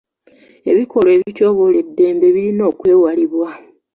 Ebikolwa ebityoboola eddembe birina okwewalibwa.